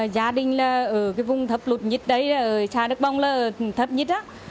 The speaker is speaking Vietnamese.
gia đình ở vùng thấp lụt nhất đấy xã đức bồng là thấp nhất